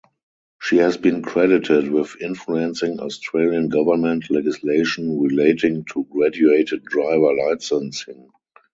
She has been credited with influencing Australian government legislation relating to graduated driver licensing.